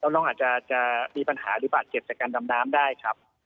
น้องอาจจะมีปัญหาหรือบาดเจ็บจากการดำน้ำได้ครับ